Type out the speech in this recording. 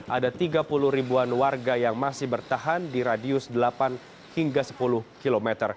ada tiga puluh ribuan warga yang masih bertahan di radius delapan hingga sepuluh km